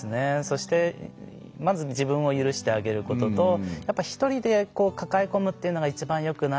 そしてまず自分を許してあげることと一人で抱え込むっていうのが一番よくないと思うんですね。